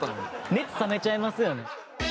熱冷めちゃいますよね。